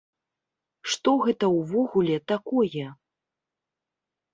Што гэта ўвогуле такое?